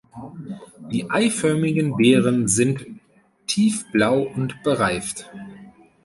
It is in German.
Die eiförmigen Beeren sind tiefblau und bereift.